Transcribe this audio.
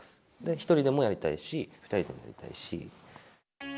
１人でもやりたいし、２人でもやりたいし。